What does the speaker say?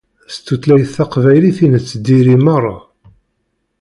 S tutlayt taqbaylit i nettdiri meṛṛa.